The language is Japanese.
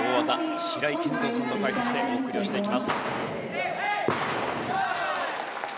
白井健三さんの解説でお送りしていきます。